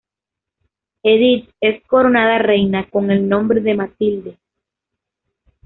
Edith es coronada reina con el nombre de "Matilde".